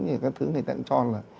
những cái thứ người ta cũng cho là